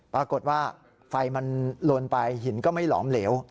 ปรากฏว่าไฟมันลนไปหินก็ไม่หลอมเหลว